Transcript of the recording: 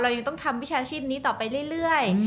ยังต้องทำวิชาชีพนี้ต่อไปเรื่อย